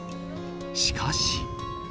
しかし。